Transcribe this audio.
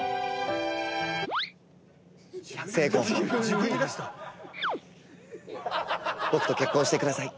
自分に⁉僕と結婚してください！